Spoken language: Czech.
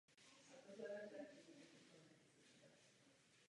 Pokud nejsou námitky, budeme pokračovat, jak bylo navrženo.